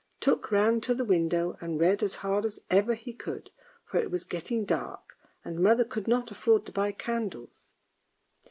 Tuk ran to the window and read as hard as ever he could, for it was getting dark, and mother could not afford to buy candles.